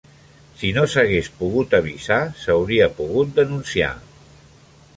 Si no s'hagués pogut avisar, s'hauria pogut denunciar.